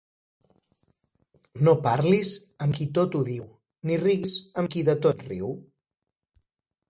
No parlis amb qui tot ho diu, ni riguis amb qui de tot riu.